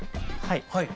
はい。